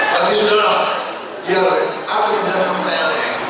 tapi sebenarnya iya lah aku dibilang kantelnya